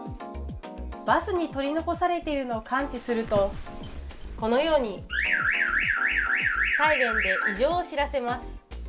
バスに取り残されているのを感知するとこのようにサイレンで異常を知らせます。